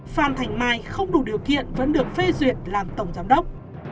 phan thành mai không đủ điều kiện vẫn được phê duyệt làm tổng giám đốc